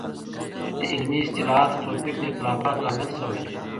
د علمي اصطلاحاتو توپير د اختلافاتو لامل سوی دی.